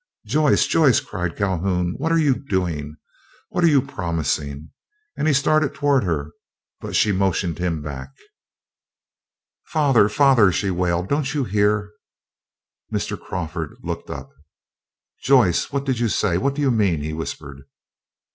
"Joyce, Joyce!" cried Calhoun, "what are you doing? What are you promising?" and he started toward her, but she motioned him back. "Father! Father!" she wailed, "don't you hear?" Mr. Crawford looked up. "Joyce, what did you say? What do you mean?" he whispered.